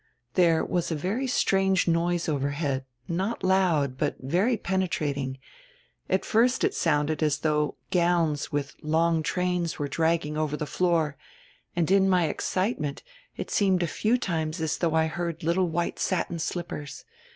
"There was a very strange noise overhead, not loud, but very penetrating. At first it sounded as though gowns widi long trains were dragging over die floor, and in my excitement it seemed a few times as though I heard little white satin slippers.